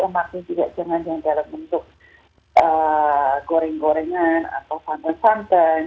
maksudnya juga jangan yang dalam bentuk goreng gorengan atau santan santan